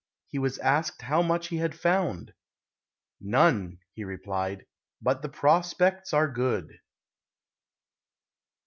He was asked how much he had found. "None," he replied, "but the prospects are good."